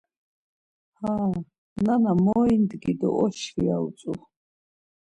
Ha, nana moindgi do oşvi ya utzu.